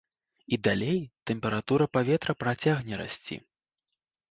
І далей тэмпература паветра працягне расці.